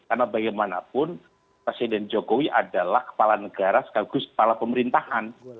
karena bagaimanapun presiden jokowi adalah kepala negara sekaligus kepala pemerintahan